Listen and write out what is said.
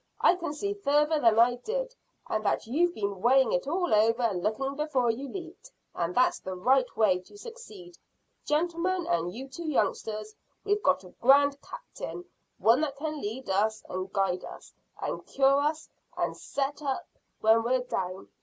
I can see farther than I did, and that you've been weighing it all over and looking before you leaped. And that's the right way to succeed. Gentlemen, and you two youngsters, we've got a grand captain one that can lead us and guide us, and cure us, and set us up when we're down.